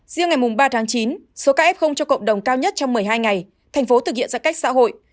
riêng ngày ba chín số ca f cho cộng đồng cao nhất trong một mươi hai ngày tp hcm thực hiện giãn cách xã hội